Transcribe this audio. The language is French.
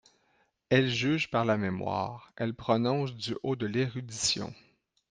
Elle juge par la mémoire, elle prononce du haut de l’érudition.